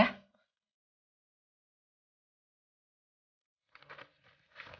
ibu tulis alamat suami ibu disini ya